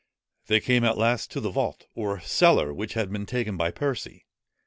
They came at last, to the vault or cellar, which had been taken by Percy.